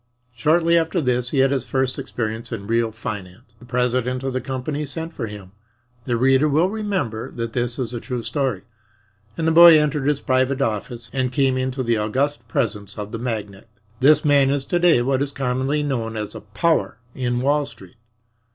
Shortly after this he had his first experience in real finance. The president of the company sent for him the reader will remember that this is a true story and the boy entered his private office and came into the august presence of the magnate. This man is to day what is commonly known as a "power" in Wall Street.